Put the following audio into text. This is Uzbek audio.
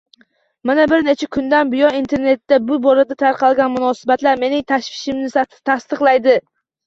Mana bir necha kundan buyon Internetda bu borada tarqalgan munosabatlar mening tashvishimni tasdiqlaydi